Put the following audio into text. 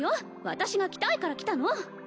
私が来たいから来たの！